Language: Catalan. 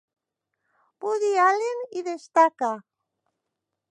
Woody Allen hi destaca.